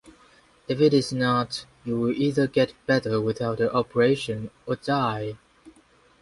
If it is not, you will either get better without the operation or die.